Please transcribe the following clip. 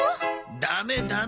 ダメダメ！